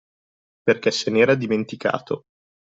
Perché se n'era dimenticato